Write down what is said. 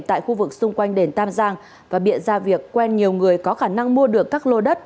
tại khu vực xung quanh đền tam giang và biện ra việc quen nhiều người có khả năng mua được các lô đất